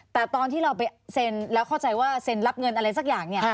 แต่ตอนที่เราไปเซ็นแล้วเข้าใจว่าเซ็นรับเงินอะไรสักอย่างเนี่ย